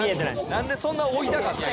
何でそんな追いたかったんや。